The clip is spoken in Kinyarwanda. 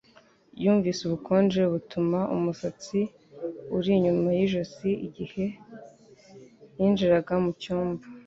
Yumvise ubukonje butuma umusatsi uri inyuma yijosi igihe yinjiraga mucyumba.